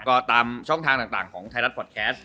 ก็ตามช่องทางต่างของไทยรัฐพอร์ตแคสต์